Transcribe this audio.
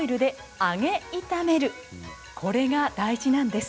これが大事なんです。